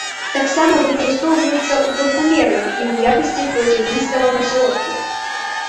Таксама выкарыстоўваецца ў парфумерыі і ў якасці процігліставага сродку.